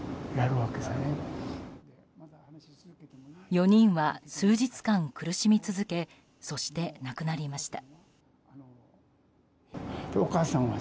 ４人は数日間、苦しみ続けそして亡くなりました。